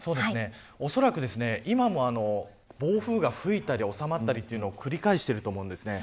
おそらく今も暴風が吹いたり収まったりというのを繰り返していると思うんです。